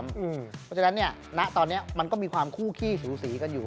เพราะฉะนั้นณตอนนี้มันก็มีความคู่ขี้สูสีกันอยู่